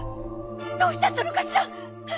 どうしちゃったのかしら。